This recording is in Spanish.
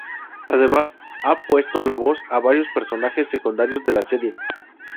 Además, ha puesto la voz a varios personajes secundarios de la serie.